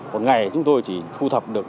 một ngày chúng tôi chỉ thu thập được